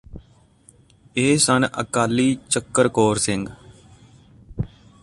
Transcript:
ਇਹ ਸਨ ਅਕਾਲੀ ਚੱਕਰ ਕੌਰ ਸਿੰਘ